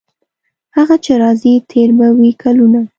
هغه چې راځي تیر به وي کلونه.